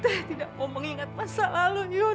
teteh tidak mau mengingat masa lalu yuyun